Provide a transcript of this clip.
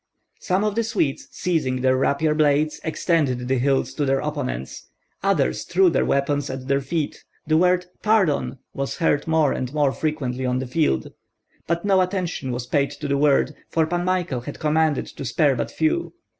Some of the Swedes, seizing their rapier blades, extended the hilts to their opponents; others threw their weapons at their feet; the word "Pardon!" was heard more and more frequently on the field. But no attention was paid to the word, for Pan Michael had commanded to spare but few.